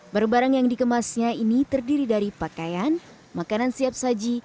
barang barang yang dikemasnya ini terdiri dari pakaian makanan siap saji